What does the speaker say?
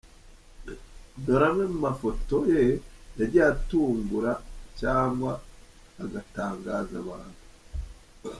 Dore amwe mu mafoto ye yagiye atungura cyagnwa agatangaza abantu.